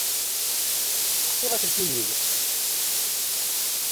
Ssexsiɣ aselkim-iw.